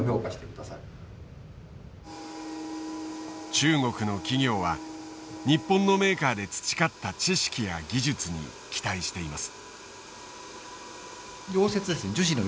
中国の企業は日本のメーカーで培った知識や技術に期待しています。